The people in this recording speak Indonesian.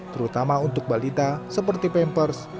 terutama untuk balita seperti pampers